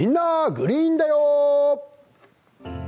グリーンだよ」。